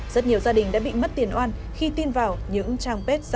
rất nhiều gia đình đã bị mất tiền oan khi tin vào những cái chánh niệm của họ